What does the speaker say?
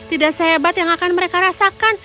tidak sehebat yang akan mereka rasakan